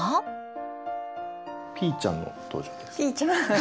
ピーちゃんの登場です。